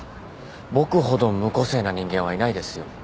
僕ほど無個性な人間はいないですよ。